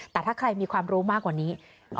แต่ถ้าใครมีความรู้มากกว่านี้